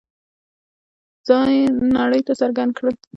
ځان نړۍ ته څرګند کړ.